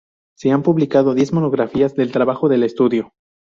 Se han publicado diez monografías del trabajo del estudio.